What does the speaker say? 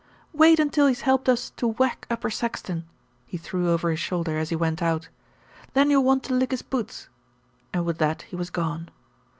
"Wait until he's helped us to whack Upper Saxton," he threw over his shoulder as he went out, "then you'll want to lick his boots," and with that he was gone.